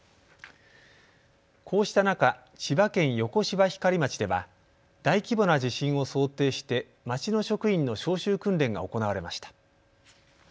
こうした中、千葉県横芝光町では大規模な地震を想定して町の職員の招集訓練が行われました。